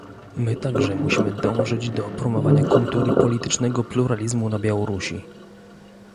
My także musimy dążyć do promowania kultury politycznego pluralizmu na Białorusi